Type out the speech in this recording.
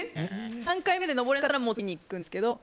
３回目で登れなかったらもう次に行くんですけど。